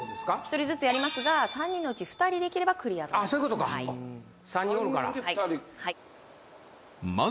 １人ずつやりますが３人のうち２人できればクリアとなります